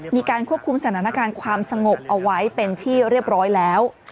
มีการควบคุมสถานการณ์ความสงบเอาไว้เป็นที่เรียบร้อยแล้ว